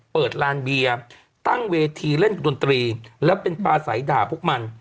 เปิดร้านเบียร์ตั้งเวทีเล่นดนตรีแล้วเป็นปลาสายด่าพวกมัน